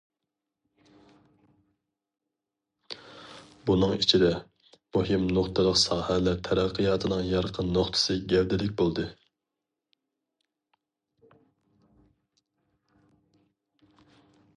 بۇنىڭ ئىچىدە، مۇھىم نۇقتىلىق ساھەلەر تەرەققىياتىنىڭ يارقىن نۇقتىسى گەۋدىلىك بولدى.